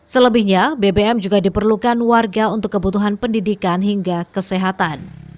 selebihnya bbm juga diperlukan warga untuk kebutuhan pendidikan hingga kesehatan